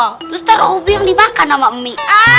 ntar obi yang dimakan sama umi